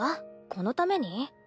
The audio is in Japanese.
このために？